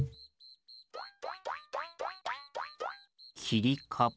きりかぶ？